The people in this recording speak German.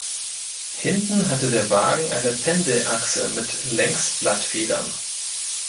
Hinten hatte der Wagen eine Pendelachse mit Längsblattfedern.